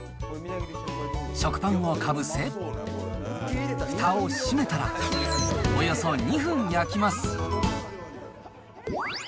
食パンをかぶせ、ふたを閉めたら、およそ２分焼きます。